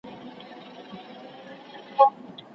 ستا قلم مي په تندي کي دا یو نوم دی رالیکلی